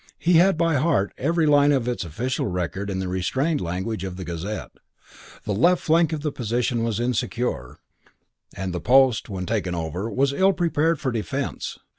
He had by heart every line of its official record in the restrained language of the Gazette. ...The left flank of the position was insecure, and the post, when taken over, was ill prepared for defence....